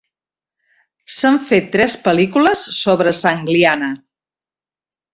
S'han fet tres pel·lícules sobre Sangliana.